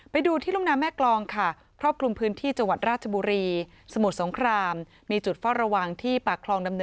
ไปดูที่ลุ่มน้ำแม่กลองค่ะ